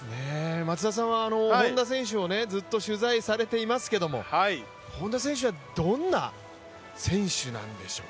松田さんは、本多選手をずっと取材されていますけれども本多選手はどんな選手なんでしょう？